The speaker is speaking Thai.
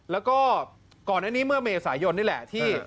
แล้วก็ก่อนอันนี้เมื่อเมษายนนี่แหละที่